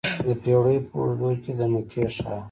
د پیړیو په اوږدو کې د مکې ښار.